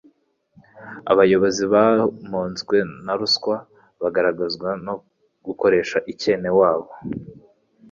Abayobozi bamunzwe na ruswa, barangwa no gukoresha ikenewabo